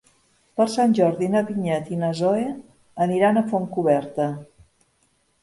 Per Sant Jordi na Vinyet i na Zoè aniran a Fontcoberta.